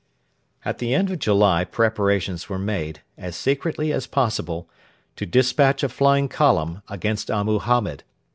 At the end of July preparations were made, as secretly as possible, to despatch a flying column against Abu Hamed.